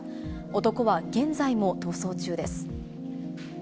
男は現在も逃走中です。